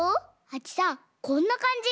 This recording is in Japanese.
はちさんこんなかんじ？